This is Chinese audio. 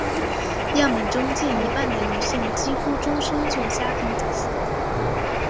样本中近一半的女性几乎终生做家庭主妇。